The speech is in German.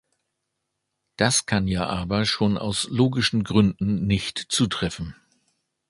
Das kann ja aber schon aus logischen Gründen nicht zutreffen.